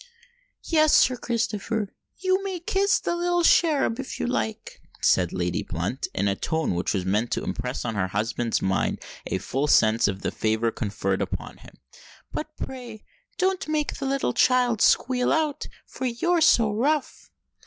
"Yes, Sir Christopher—you may kiss the little cherub, if you like," said Lady Blunt, in a tone which was meant to impress on her husband's mind a full sense of the favour conferred upon him: "but pray don't make the sweet child squeal out—for you're so rough."